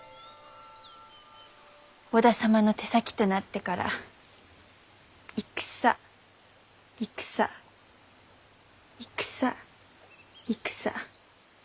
織田様の手先となってから戦戦戦戦。